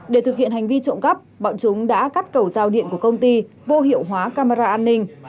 để thực hiện hành vi trộm cắp bọn chúng đã cắt cầu giao điện của công ty vô hiệu hóa camera an ninh